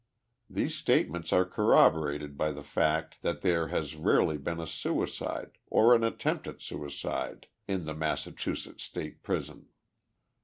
These statements are corrobo rated by the fact that there has rarely been a suicide, or an at tempt at suicide, in the Massachusetts State Prison.